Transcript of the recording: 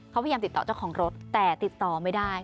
เขาพยายามติดต่อเจ้าของรถแต่ติดต่อไม่ได้